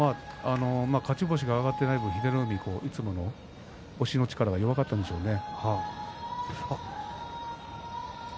勝ち星が挙がっていない分英乃海、いつもより押しの力が弱かったんでしょうね。